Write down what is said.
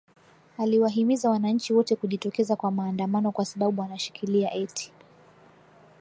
aliwahimiza wananchi wote kujitokeza kwa maandamano kwa sababu wanashikilia eti